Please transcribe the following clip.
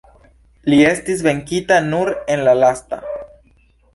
Li estis venkita nur en la lasta.